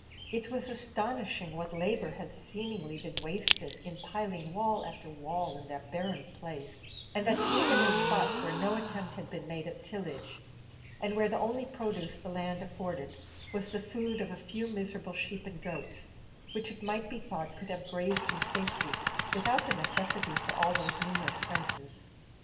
It was astonishing what labour had seemingly been wasted in piling wall after wall in that barren place, and that even in spots where no attempt had been made at tillage, and where the only produce the land afforded was the food of a few miserable sheep and goats, which it might be thought could have grazed in safety without the necessity for all those numerous fences.